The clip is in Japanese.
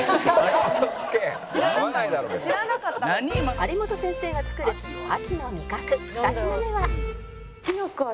有元先生が作る秋の味覚２品目は